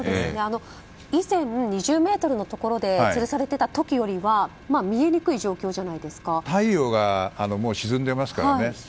以前、２０ｍのところでつるされていた時よりは太陽がもう沈んでいますからね。